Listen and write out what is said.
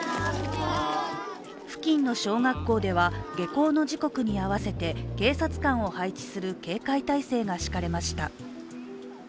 付近の小学校では下校の時刻に合わせて警察官を配置する警戒態勢が敷かれました。